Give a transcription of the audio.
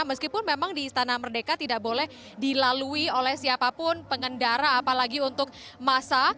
meskipun memang di istana merdeka tidak boleh dilalui oleh siapapun pengendara apalagi untuk masa